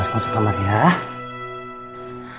masuk masuk sama dia ah